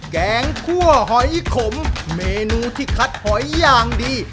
แกงคั่วหอยขมเมนูที่คัดหอยอย่างดี